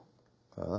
ああ？